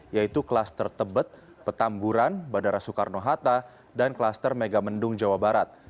yaitu klaster tebet petamburan bandara soekarno hatta dan klaster megamendung jawa barat